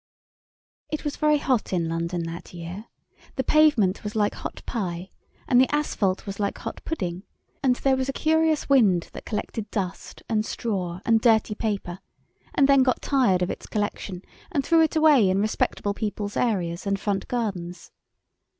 It was very hot in London that year: the pavement was like hot pie, and the asphalt was like hot pudding, and there was a curious wind that collected dust and straw and dirty paper, and then got tired of its collection, and threw it away in respectable people's areas and front gardens.